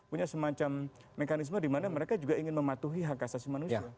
punya semacam mekanisme di mana mereka juga ingin mematuhi hak asasi manusia